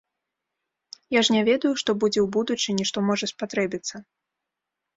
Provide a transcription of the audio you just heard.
Я ж не ведаю, што будзе ў будучыні, што можа спатрэбіцца.